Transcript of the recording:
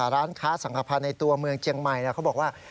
ร้านค้าสังขพันธ์ในตัวเมืองเจียงใหม่เขาบอกว่า